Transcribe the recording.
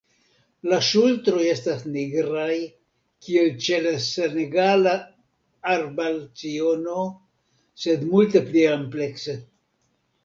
La ŝultroj estas nigraj, kiel ĉe la Senegala arbalciono, sed multe pli amplekse.